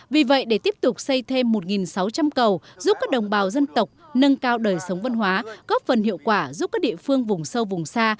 vì vậy để tiếp tục xây thêm một sáu trăm linh cầu giúp các đồng bào dân tộc nâng cao đời sống văn hóa góp phần hiệu quả giúp các địa phương vùng sâu vùng xa